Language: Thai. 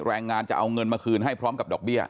แรงงานจะเอาเงินมาคืนให้พร้อมกับดอกเบี้ย